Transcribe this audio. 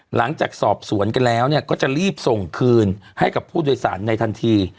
หลังจากสอบสวนกันแล้วก็จะรีบส่งคืนให้กับผู้โดยสารในทันที